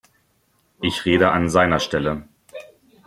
Ich rede an seiner Stelle.